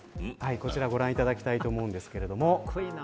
こちら、ご覧いただきたいと思うんですけれども。